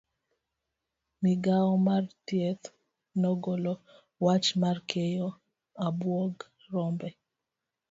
Migao mar thieth nogolo wach mar keyo abuog rombe.